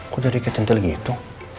kok jadi kayak centil gitu